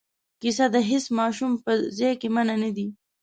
کیسه د هیڅ ماشوم په ځای کې مانع نه دی.